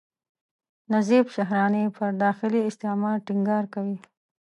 نظیف شهراني پر داخلي استعمار ټینګار کوي.